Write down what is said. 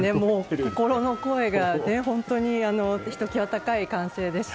心の声が本当にひときわ高い歓声でした。